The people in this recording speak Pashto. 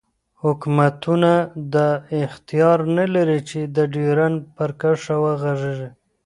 حوکمتونه دا اختیار نه لری چی د ډیورنډ پر کرښه وغږیږی